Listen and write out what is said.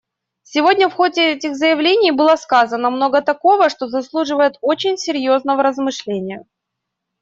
Сегодня в ходе этих заявлений было сказано много такого, что заслуживает очень серьезного размышления.